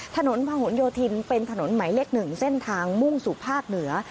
ถนนพะหนโยธินเป็นถนนหมายเลข๑เส้นทางมุ่งสู่ภาคเหนือ